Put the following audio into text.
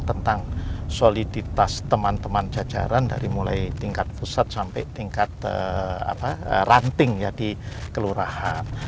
tentang soliditas teman teman jajaran dari mulai tingkat pusat sampai tingkat ranting di kelurahan